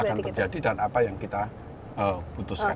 akan terjadi dan apa yang kita putuskan